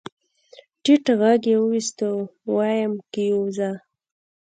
ټيټ غږ يې واېست ويم کېوځه.